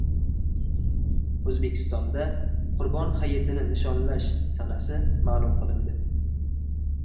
O‘zbekistonda Qurbon hayitini nishonlash sanasi ma’lum qilindi